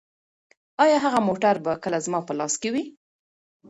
ایا هغه موټر به کله زما په لاس کې وي؟